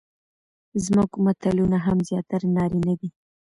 زموږ متلونه هم زياتره نارينه دي،